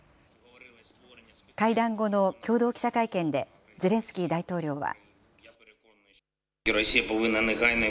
会談後の共同記者会見でゼレンスキー大統領は。